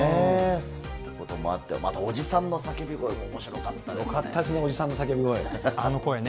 そういったこともあって、またおじさんの叫び声もおもしろかったよかったですね、おじさんのあの声ね。